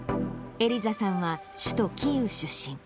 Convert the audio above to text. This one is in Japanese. エリザさんは、首都キーウ出身。